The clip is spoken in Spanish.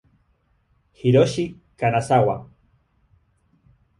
Hiroshi Kanazawa